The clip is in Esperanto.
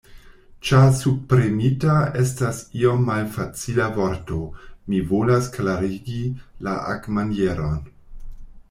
Ĉar 'subpremita' estas iom malfacila vorto, mi volas klarigi la agmanieron.